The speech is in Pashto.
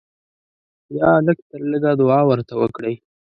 یا لږ تر لږه دعا ورته وکړئ.